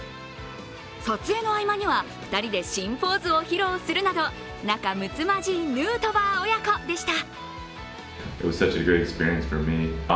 撮影の合間には２人で新ポーズを披露するなど仲むつまじいヌートバー親子でした。